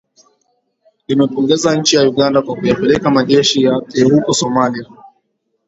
limepongeza nchi ya uganda kwa kuyapeleka majeshi yake huko somalia